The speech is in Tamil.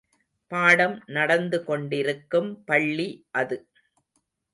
பாடம் நடந்துகொண்டிருக்கும் பள்ளி அது.